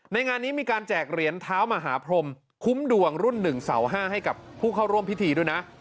งานนี้มีการแจกเหรียญเท้ามหาพรมคุ้มดวงรุ่น๑เสา๕ให้กับผู้เข้าร่วมพิธีด้วยนะ